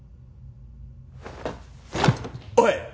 おい！